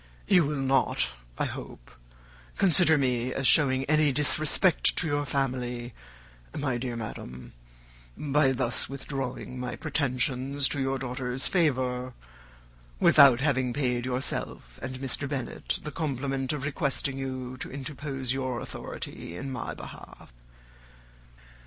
You will not, I hope, consider me as showing any disrespect to your family, my dear madam, by thus withdrawing my pretensions to your daughter's favour, without having paid yourself and Mr. Bennet the compliment of requesting you to interpose your authority in my behalf.